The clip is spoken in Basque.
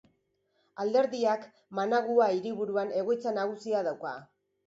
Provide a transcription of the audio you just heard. Alderdiak Managua hiriburuan egoitza nagusia dauka.